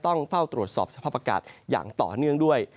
ต้องเฝ้าตรวจสอบสภาพอากาศอย่างต่อเนื่องด้วย